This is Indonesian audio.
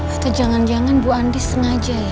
atau jangan jangan bu andi sengaja ya